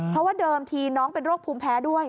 เพราะว่าเดิมทีน้องเป็นโรคภูมิแพ้ด้วย